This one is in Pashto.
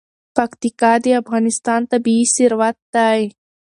پکتیکا د افغانستان طبعي ثروت دی.